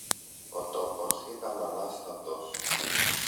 Ο τόπος ήταν ανάστατος.